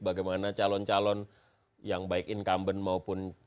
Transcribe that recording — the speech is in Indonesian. bagaimana calon calon yang baik incumbent maupun